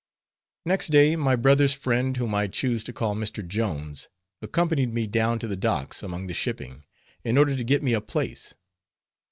Next day, my brother's friend, whom I choose to call Mr. Jones, accompanied me down to the docks among the shipping, in order to get me a place.